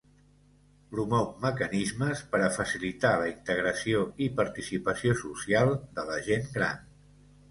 Promou mecanismes per a facilitar la integració i participació social de la gent gran.